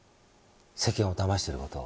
世間をだましてる事を。